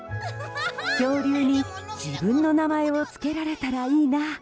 恐竜に自分の名前を付けられたらいいな。